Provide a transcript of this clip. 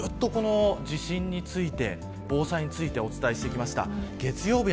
ちょうど今週は、ずっと地震について防災についてお伝えしてきました。